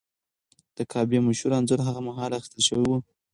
د کعبې مشهور انځور هغه مهال اخیستل شوی و.